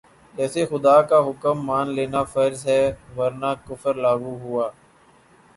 جیسے خدا کا حکم مان لینا فرض ہے ورنہ کفر لاگو ہوا